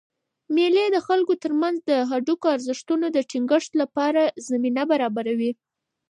مېلې د خلکو ترمنځ د ګډو ارزښتونو د ټینګښت له پاره زمینه برابروي.